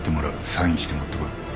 サインして持ってこい。